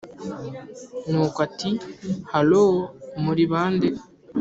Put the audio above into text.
nuko ati”hallooo muribande”